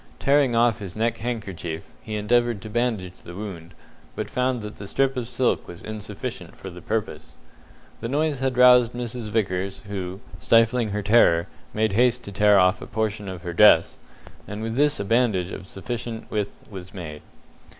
Tearing off his neck handkerchief, he endeavoured to bandage the wound, but found that the strip of silk was insufficient for the purpose. The noise had roused Mrs. Vickers, who, stifling her terror, made haste to tear off a portion of her dress, and with this a bandage of sufficient width was made.